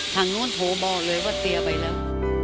ทางนู้นโทรบอกเลยว่าเตียไปแล้ว